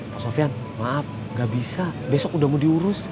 pak sofyan maaf nggak bisa besok udah mau diurus